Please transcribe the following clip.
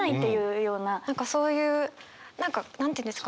何かそういう何か何て言うんですかね？